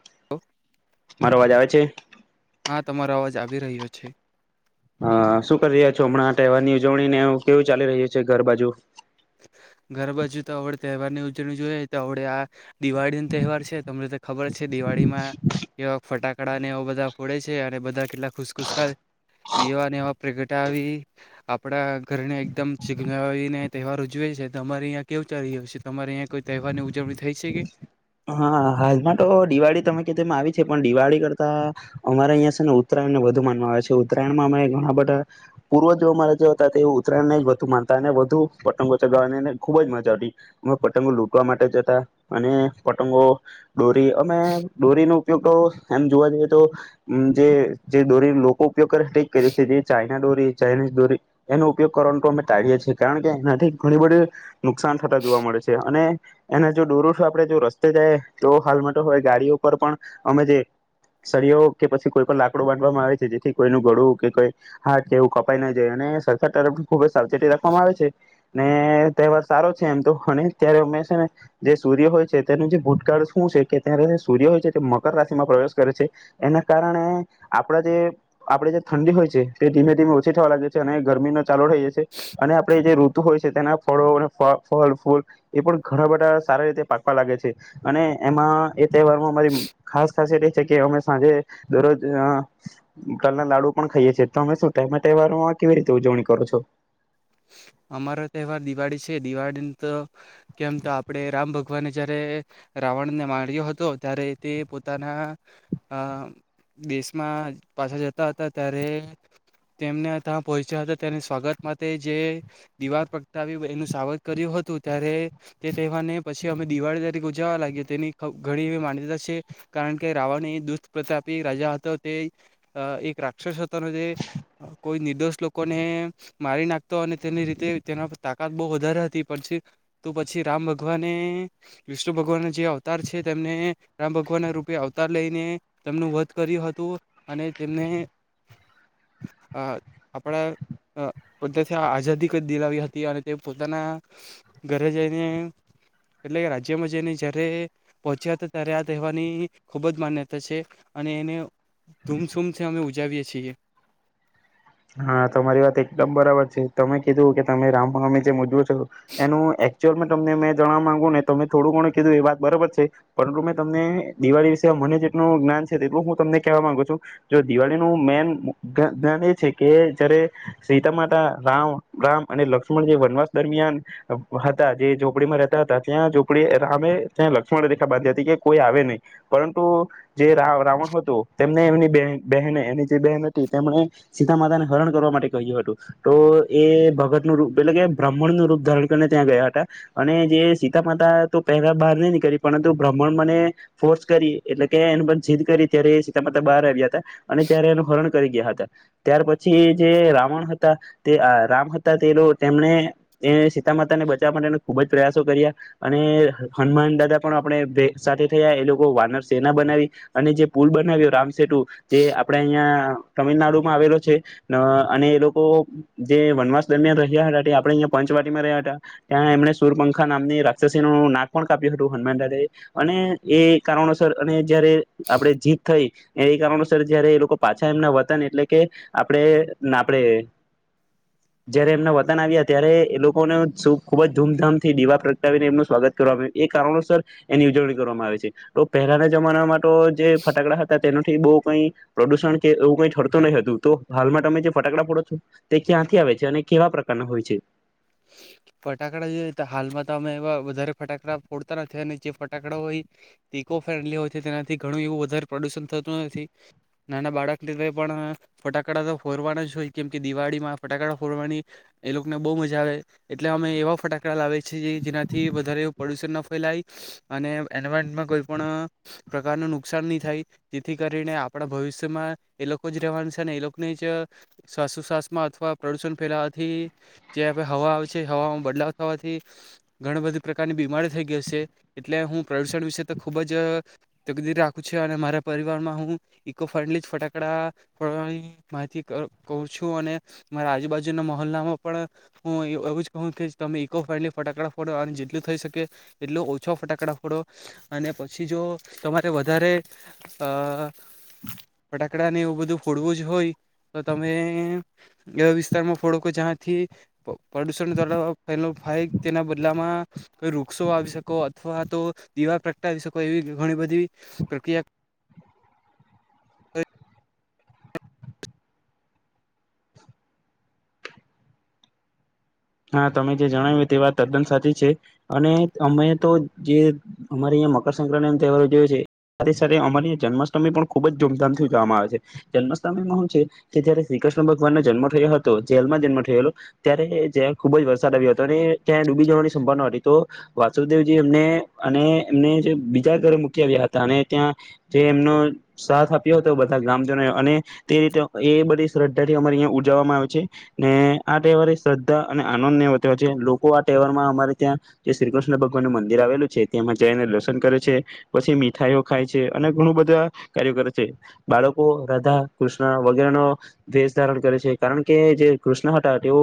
હ [unintelligible] મારો અવાજ આવે છે હા તમારો અવાજ આવી રહ્યો છે હા શું કરી રહ્યા છો હમણાં તહેવારની ઉજવણી ને એ કેવું ચાલી રહ્યું છે ઘર બાજુ ઘર બાજુ તો અડે તહેવાર ની ઉજવણી જોઈ તો અડે આ દિવાળી નો તહેવાર છે તમને તો ખબર છે દિવાળીમાં કેવા ફટાક કડા ને બધા ફોડે છે અને બધા કેટલા ખુશખુસકા દીવાને એવા પ્રગટાવી આપણા ઘરને એકદમ ચિઘનાવીને તહેવાર ઉજવે છે તમારે અહીંયા કેવુ ચાલી રહ્યુ છે તમારે અહીંયા કોઈ તહેવારની ઉજવણી થઈ છે કે હા હાલમાં તો દિવાળી તમે કે તેમાં આવી છે પણ દિવાળી કરતા અમારે અહીંયા છે ને ઉતયણને વધુ માનવા આવે છે ઉત્તરાયણમાં અમે ઘણા બધા પૂર્વજો અમારા જે હતા તે ઉત્તરાયણ ને જ વધુ માનતા અને વધુ પતંગો ચગાવવા ને ને ખુબ જ મજાવતી અમે પતંગો લૂટવા માટે જતા અને પતંગો દોરી અમે દોરીનો ઉપયોગ તો એમ જોવા જઈએ તો અમ જે જે દોરી લોકો ઉપયોગ કરે તેજ કરી છે જે ચાઈના ડોરી ચાાઈનીઝ દોરી એનો ઉપયોગ કરવાનો તો અમે ટાળીએ છીએ કારણ કે એનાથી ઘણી બધી નુકસાન થતા જોવા મળે છે અને એના જો દોરો અથવા આપડે જો રસ્તે જાય તો હાલ માટે હવે ગાડીઓ ઉપર પણ અમે જે સળયો કે પછી કોઈ પણ લાકડું બાંધવામાં આવે છે જેથી કોઈનું ગળુ કે કોઈ હાથ કે એવું કપાઈ ના જાય અને સરકાર તરફ ખુબ જ સાવચેતી રાખવામાં આવે છે નેએએ તહેવાર સારો છે એમ તો અને ત્યારે અમે છે ને જે સૂર્ય હોય છે તેનું જે ભૂતકાળ શું છે કે ત્યારે સૂર્ય હોય છે તે મકર રાશિમાં પ્રવેશ કરે છે એના કારણે આપણા જે આપણે જે ઠંડી હોય છે તે ધીમે ધીમે ઓછી થવા લાગે છે અને ગરમીને ચાલુ થઈ જાય છે અને આપણેે જે ઋતુ હોય છે તેના ફળો અને ફળ ફળ ફૂલ એ પણ ઘણા બધા સારા રીતે પાકવા લાગે છે અને એમાં એ તહેવારમાં અમારી ખાસ ખાસિયત એ છે કે અમે સાંજે દરરોજ અ તલના લાડુ પણ ખાઈએ છે તો તમે શું એ તહેવારોમાં કેવી રીતે ઉજવણી કરો છો. અમારો તહેવાર દિવાળી છે દિવાળી તો કેમ તો આપણેે રામ ભગવાને જયારેએ રાવણને માર્યો હતો ત્યારે તે પોતાના અ દેશમાં પાછા જતા હતા ત્યારે તેમને ત્યાં પહોચ્યા હતા તેને સ્વાગત મા તે જે દિવાર પ્રગટાવી એનું સાવત કર્યું હતું ત્યારે તે તહેવારને પછી અમે દિવાળી તરીકે ઉજવવા લાગ્યા તેની ખ ઘણી એવી માન્યતા છે કારણ કે રાવણ એ દુષત પ્રતાપી રાજા હતો તે અ એક રાક્ષસ હતો ને તે કોઈ નિર્દોષ લોકોને મારી નાખતો અને તેની રીતે તેના પર તાકાત બહુ વધારે હતી પછી તો પછી રામ ભગવાને વિષ્ણુ ભગવાન જે અવતાર છે તેમને રામ ભગવાનના રૂપે અવતાર લઈને તેમનું વધ કર્યું હતું અને તેમને અ આપણા અ બધેથી આઝાદી કદ દિલાવી હતી અને તે પોતાના ઘરે જઈને એટલે કે રાજ્યમાં જઈને જયારે પહોંચ્યા હતા ત્યારે આ તહેવારની ખૂબ જ માન્યતા છે અને એને ધૂમસૂમથી અમે ઉજાવીએ છીએ હા તમારી વાત એકદમ બરાબર છે તમે કીધું કે તમે રામ નવમી જેમ ઉજવો છો એનું એકચુઅલમા તમને મેં જણવા માંગુ ને તમે થોડું ઘણું કીધું એ વાત બરાબર છે પરંતુ મેં તમને દિવાળી વિશે મને જેટલું જ્ઞાન છે તેટલું હું તમને કેહેવા માંગુ છું જો દિવાળીનું મેન જ્ઞા જ્ઞાન એ છે. કે જયારે સીતા માતા રામ રામ અને લક્ષ્મણ જે વનવાસ દરમિયાન હતા જે ઝોપડીમા રહેતા હતા ત્યાં ઝોપડી રામે ત્યા લક્ષ્મણ રેખા બાંધી હતી કે કોઈ આવે નહીં પરંતુ જે રાવ રાવણ હતો તેમને એમની બેહ બેહેને એની જે બેહેન હતી તેમણે સીતા માતાને હરણ કરવા માટે કહ્યું હતું તો એ ભગતનું રૂપ એટલે કે બ્રાહ્મણનું રૂપ ધારરણ કરીને ત્યાં ગયા હતા અને જે સીતા માતા તો પહેલા બહાર નહી નીકળી પરંતુ બ્રા્મણ મને ફોર્સ કરી એટલે કે એની પર જીદ કરી ત્યારે સીતા માતા બહાર આવ્યા હતા અને ત્યારે એનું હરણ કરી ગયા હતા. ત્યાર પ પછી જે રાવણ હતા. તે આ રામ હતા તે લો તેમણે એ સીતા માતા ને બચાવવા માટે ખુબ જ પ્રયાસો કર્યા અને હનુમાન દાદા પણ આપણે ભે સાથે થયા એ લોકો વાનર સેના બનાવી અને જે પુલ બનાવ્યો રામ શેટું જે આપડે અહિયાં તમિલનાડુમાં આવેલો છે અને એ લોકો જે વનવાસ દરમિયાન રહ્યા હતા તે આપણે અયા પંચવાટીમાં રહ્યા હતા ત્યાં એમણે સુરપંખા નામની રાક્ષસીનો નું નાક પણ કાપ્યું હતું હનુમાનદાદા એ અને એ કારણો સર અને જયારે આપણે જીત થઈ. એ કારણોસર જયારે એ લોકો પાછા એમના વતન એટલે કે આપણે ના આપણેે જયારે એમના વતન આવ્યા ત્યારે એ લોકોને સુખ ખૂબ જ ધૂમધામ થી દીવા પ્રગટાવીને એમનું સ્વાગત કરવામાં આવ્યું એ કારણોસર એની ઉજવણી કરવામાં આવે છે તો પહેલાના જમાના મા તો જે ફટાકડા હતા તેનુ થી બો કઈ પ્રદુષણ કે એવું કઈ થરતું નહી હતું તો હાલમાં તમે જે ફટાકડા ફોડો છો તે ક્યાંથી આવે છે અને કેવા પ્રકારના હોય છે. ફટાકડા જોય તો હાલમાં તો અમે એવા વધારે ફટાકડા ફોડતા નથી અને જે ફટાકડા હોય ઇકો ફ્રેન્ડલી હોય છે. તેનાથી ઘણું એવું વધારે પ્રદુષણ થતું નથી નાના બાળકને તો પણ ફટાકડા તો ફોડવાના જ હોય કેમ કે દિવાળીમાં ફટાકડા ફોડવાની એ લોકોને બહુ મજા મજા આવે એટલે અમે એવા ફટાકડા લાવીએ છીએ જેનાથી વધારે પ્રદૂષણ ન ફેલાય અને એન્વાયરમાં કોઈ પણ પ્રકારનું નુકસાન નહીં થાય જેથી કરીને આપણા ભવિષ્યમાં એ લોકો જ રહેવાના છે અને એ લોકોને જ શ્વાસોશ્વાસમાં અથવા પ્રદૂષણ ફેલાવાથી જે આપણે હવા આવે છે હવામાં બદલાવ થવાથી ઘણી બધી પ્રકારની બીમારી થઈ ગઈ છે એટલે હું પ્રદૂષણ વિશે તો ખૂબ જ તકદીર રાખું છુ અને મારા પરિવારમાં હું ઇકો ફ્રેન્ડલી જ ફટાકડા ફોડવાની માહિતી કરું કહુ છું અને મારા આજુબાજુના મહોલ્લામાં પણ હું એ એવું જ કહું કે તમે ઈકો ફ્રેન્ડલી ફટાકડા ફોડો અને જેટલું થઈ શકે એટલુ ઓછો ફટાકડા ફોડો અને પછી જો તમારે વધારે અ અ ફટાકડાને એવું બધું ફોડવું જ હોય તો તમે એવા વિસ્તારમાં ફોડો કે જ્યાંથી પ પ્રદુષણ જડાવા ન થાય તેના બદલામાં કોઈ વૃક્ષો વાવી શકો અથવા તો દીવા પ્રગટાવી શકો એવી ઘણી બધી પ્રક્રિયા હા, તમે જે જણાવ્યું તે વાત તદ્દન સાચી છે અને અમે તો જે અમારી અહીંયા મકરસક્રાંતિ નો તહેવારો ઉજવે છે, સાથે સાથે અમારી જન્માષ્ટમી પણ ખુબ જ ધૂમધામથી ઉજાવામાં આવે છે જન્માષ્ટમીમાં હું છે કે જયારે શ્રી કૃષ્ણ ભગવાનને જન્મ થયો હતો જેલમાં જન્મ થયેલો ત્યારે જેલ ખૂબ જ વરસાદ આવ્યો હતો અને ત્યાં ડૂબી જવાની સંભાવના હતી તો વાસુદેવજી એમને અને એમને જે બીજા ઘરે મૂકી આવ્યા હતા અને ત્યાં જે એમનો સાથ આપ્યો હતો બધા ગામજનોએ અને તે રીતે એ બધી શ્રદ્ધા થી અમારેં અહીંયા ઉજવવામાં આવે છે, ને આ તહેવારે શ્રદ્ધા અને આનંદને અધે વચ્ચે લોકો આ તહેવારમાં અમારે ત્યાં જે શ્રી કૃષ્ણ ભગવાન મંદિર આવેલું છે, તેમાં જઈને દર્શન કરે છે પછી મીઠાઈઓ ખાય છે અને ઘણું બધા કાર્યો કરે છે. બાળકો રાધા કૃષ્ણ વગેરેનો ડ્રેસ ધારણ કરે છે કારણ કે જે કૃષ્ણ હતા તેઓ